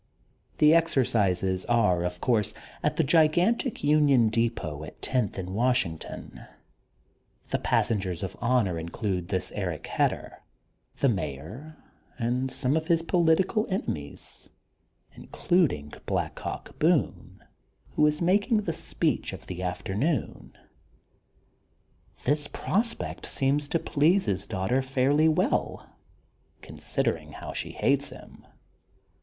The exercises are, of course, at the gigantic Union Depot at Tenth and Washington. The pas sengers of honor include this Eric Hedder, the Mayor and some of his political enemies, in 180 THE GOLDEN BOOK OF SPRINGFIELD eluding Black Hawk Boone, who is making the speech of the afternoon. This prospect seems to please his daughter fairly well, con sidering how she hates him.